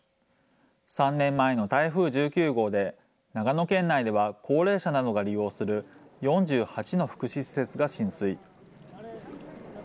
３年前の台風１９号で、長野県内では高齢者などが利用する４８の福祉施設が浸水。